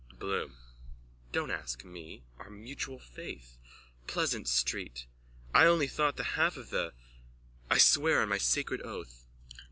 _ BLOOM: Don't ask me! Our mutual faith. Pleasants street. I only thought the half of the... I swear on my sacred oath...